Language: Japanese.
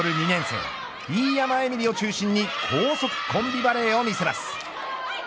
年生飯山エミリを中心に高速コンビネーションバレーを見せます。